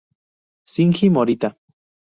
Shinji Morita